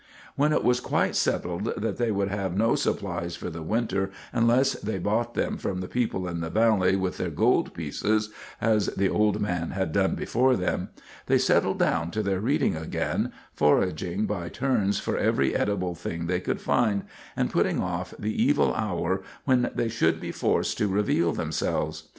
When it was quite settled that they would have no supplies for the winter unless they bought them from the people in the valley with their gold pieces, as the old man had done before them, they settled down to their reading again, foraging by turns for every edible thing they could find, and putting off the evil hour when they should be forced to reveal themselves.